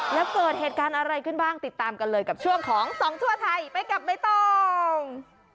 แล้วเกิดเหตุการณ์อะไรขึ้นบ้างติดตามกันเลยกับช่วงของส่องทั่วไทยไปกับใบตอง